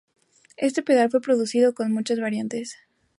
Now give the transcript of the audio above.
Este pedal fue producido con muchas variantes.